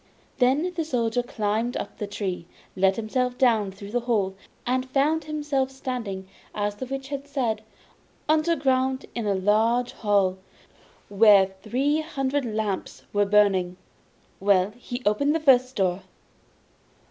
Then the Soldier climbed up the tree, let himself down through the hole, and found himself standing, as the Witch had said, underground in the large hall, where the three hundred lamps were burning. Well, he opened the first door.